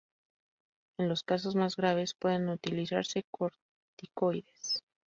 En los casos más graves pueden utilizarse corticoides.